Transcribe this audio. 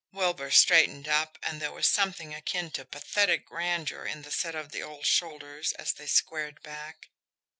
Wilbur straightened up, and there was something akin to pathetic grandeur in the set of the old shoulders as they squared back.